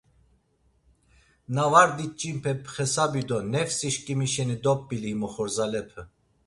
Na var diç̌inpe pxesabi do nefsişǩimi şeni dop̌ili him oxorzalepe.